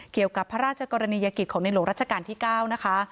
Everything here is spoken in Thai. เกี่ยวกับพระราชกรณียกิจของในหลวงรัชกาลที่๙นะคะ